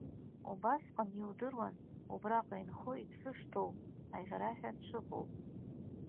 Убасҟан иудыруан убраҟа инхо иԥсы шҭоу, аӷьараҳәа дшыҟоу.